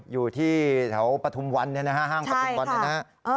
อยู่ที่แถวปฐุมวันเนี่ยนะฮะห้างประทุมวันเนี่ยนะฮะ